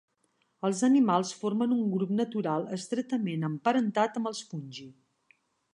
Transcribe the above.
Els animals formen un grup natural estretament emparentat amb els Fungi.